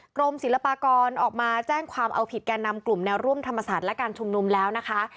กรมศิลปากรออกมาแจ้งความเอาผิดแก่นำกลุ่มแนวร่วมธรรมศาสตร์และการชุมนุมแล้วนะคะ